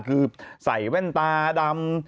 คือใส่แว่นตาดำ